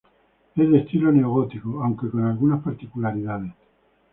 Es de estilo neogótico, aunque con algunas particularidades.